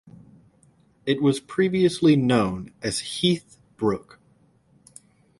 It was previously known as "Heathe Brook".